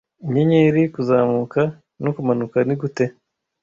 inyenyeri. Kuzamuka no kumanuka. Nigute.